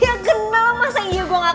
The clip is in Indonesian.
ya kenal masa iya gue gak kenalin